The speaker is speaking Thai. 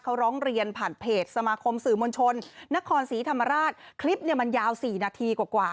เขาร้องเรียนผ่านเพจสมาคมสื่อมวลชนนครศรีธรรมราชคลิปเนี่ยมันยาวสี่นาทีกว่ากว่า